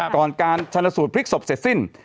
ก่อนการชนสูตรพลิกศพเสร็จสิ้น